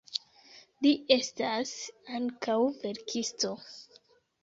Li estas ankaŭ verkisto.